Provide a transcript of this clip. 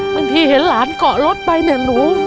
เห็นหลานเกาะรถไปเนี่ยหนู